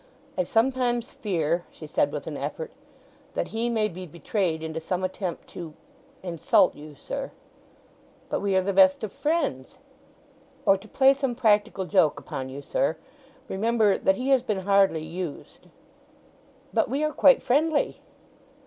"I sometimes fear," she said with an effort, "that he may be betrayed into some attempt to—insult you, sir." "But we are the best of friends?" "Or to play some practical joke upon you, sir. Remember that he has been hardly used." "But we are quite friendly?"